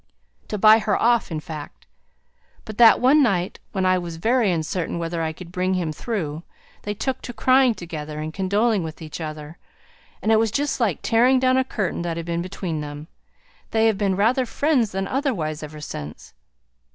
To buy her off, in fact. But that one night, when I was very uncertain whether I could bring him through, they took to crying together, and condoling with each other; and it was just like tearing down a curtain that had been between them; they have been rather friends than otherwise ever since.